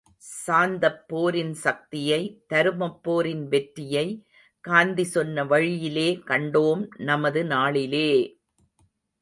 சாந்தப் போரின் சக்தியை, தருமப் போரின் வெற்றியை காந்தி சொன்ன வழியிலே கண்டோம் நமது நாளிலே!